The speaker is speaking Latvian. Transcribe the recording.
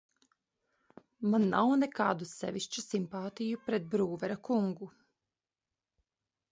Man nav nekādu sevišķu simpātiju pret Brūvera kungu.